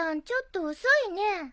ちょっと遅いね。